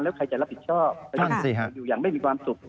แล้วใครจะรับผิดชอบอยู่อย่างไม่มีความสุข